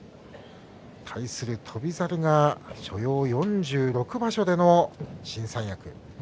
対する翔猿は所要４６場所での新三役。